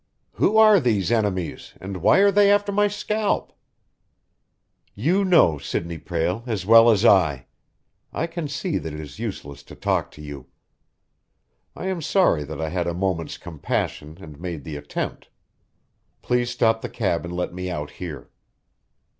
"Who are these enemies, and why are they after my scalp?" "You know, Sidney Prale, as well as I. I can see that it is useless to talk to you. I am sorry that I had a moment's compassion and made the attempt. Please stop the cab and let me out here."